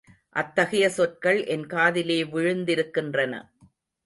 அத்தகைய சொற்கள் என் காதிலே விழுந்திருக்கின்றன.